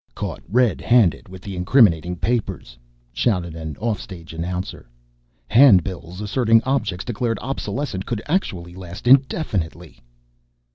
" caught red handed with the incriminating papers," shouted an offstage announcer. "Handbills asserting objects declared obsolescent could actually last indefinitely!"